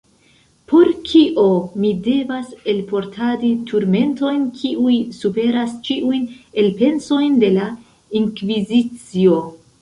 Por kio mi devas elportadi turmentojn, kiuj superas ĉiujn elpensojn de la inkvizicio?